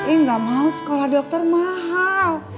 ini gak mau sekolah dokter mahal